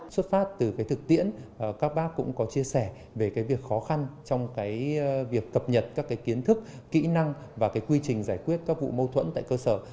xuất phát từ cái thực tiễn các bác cũng có chia sẻ về việc khó khăn trong việc cập nhật các kiến thức kỹ năng và quy trình giải quyết các vụ mâu thuẫn tại cơ sở